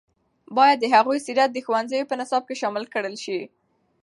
باید د هغوی سیرت د ښوونځیو په نصاب کې شامل کړل شي.